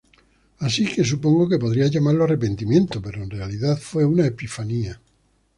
Así que supongo que podrías llamarlo arrepentimiento, pero en realidad fue una epifanía.